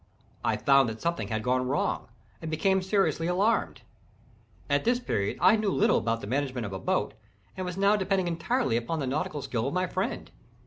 I found that something had gone wrong, and became seriously alarmed. At this period I knew little about the management of a boat, and was now depending entirely upon the nautical skill of my friend.